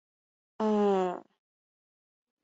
米罗蒙。